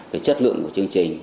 về chất lượng của chương trình